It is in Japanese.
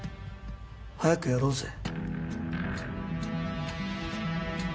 早くやろうぜ。